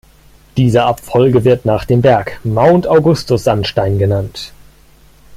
Diese Abfolge wird nach dem Berg "Mount-Augustus-Sandstein" genannt.